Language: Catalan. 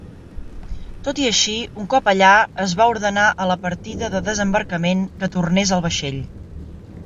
Tot i així, un cop allà, es va ordenar a la partida de desembarcament que tornés al vaixell.